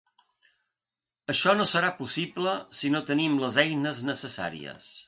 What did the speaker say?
Això no serà possible si no tenim les eines necessàries.